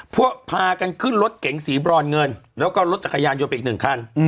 พวกพากันขึ้นรถเก๋งสีบรอดเงินแล้วก็ลดจักรยานยกไปอีก๑คัน